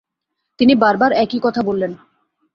তিনি বার বার একই কথা বললেন।